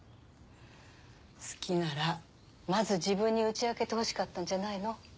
好きならまず自分に打ち明けてほしかったんじゃないの？